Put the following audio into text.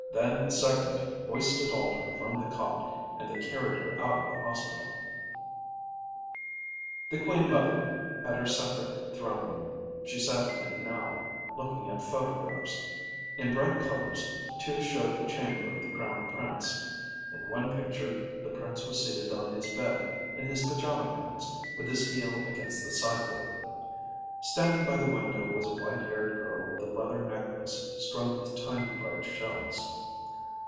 Then the second hoisted Alter from the cot and they carried her out of the hospital. The Queen Mother had her separate throne room. She sat in it now, looking at photographs. In bright colors, two showed the chamber of the Crown Prince. In one picture the Prince was seated on his bed in his pajama pants with his heel against the side board; standing by the window was a white haired girl with a leather necklace strung with tiny, bright shells.